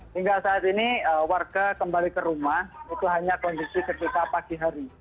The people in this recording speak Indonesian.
hingga saat ini warga kembali ke rumah itu hanya kondisi ketika pagi hari